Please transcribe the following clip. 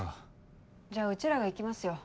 じゃあうちらが行きますよ。